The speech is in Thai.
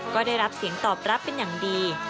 ก็ได้รับเสียงตอบรับเป็นอย่างดี